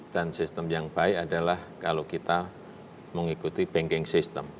dan sistem yang baik adalah kalau kita mengikuti banking system